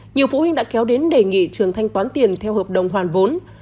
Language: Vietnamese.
nhiều phụ huynh đã kéo đến đề nghị trường thanh toán tiền theo hợp đồng hoàn vốn